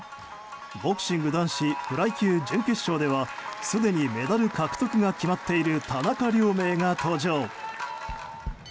ボクシング男子フライ級準決勝ではすでにメダル獲得が決まっている田中亮明が登場。